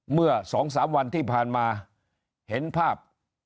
เมื่อ๒๓วันที่ผ่านมาเห็นภาพ